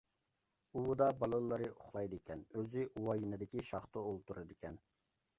ئۇۋىدا بالىلىرى ئۇخلايدىكەن، ئۆزى ئۇۋا يېنىدىكى شاختا ئولتۇرىدىكەن.